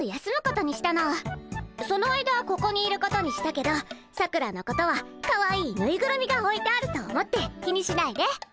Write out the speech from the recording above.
その間ここにいることにしたけどさくらのことはかわいいぬいぐるみがおいてあると思って気にしないで。